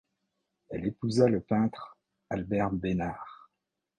Elle épousa le peintre Albert Besnard.